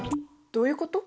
どういうこと？